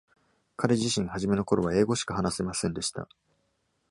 彼自身、初めの頃は英語しか話せませんでした。